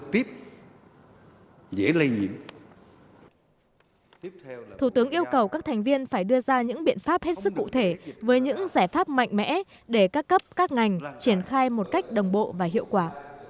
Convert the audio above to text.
thủ tướng yêu cầu các thành viên phải đưa ra những biện pháp hết sức cụ thể với những giải pháp mạnh mẽ để các cấp các ngành triển khai một cách đồng bộ và hiệu quả